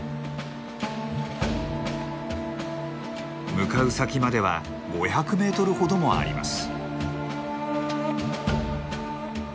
向かう先までは５００メートルほどもあります。